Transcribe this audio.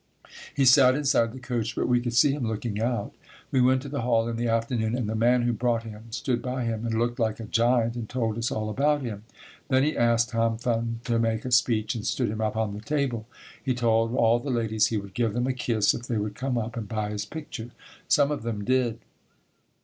He sat inside the coach but we could see him looking out. We went to the hall in the afternoon and the man who brought him stood by him and looked like a giant and told us all about him. Then he asked Tom Thumb to make a speech and stood him upon the table. He told all the ladies he would give them a kiss if they would come up and buy his picture. Some of them did.